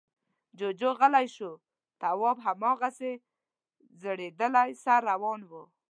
جُوجُو غلی شو. تواب هماغسې ځړېدلی سر روان و.